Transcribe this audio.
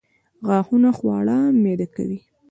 غاښونه خواړه میده کوي